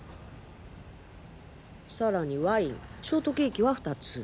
さらにワインショートケーキは２つ。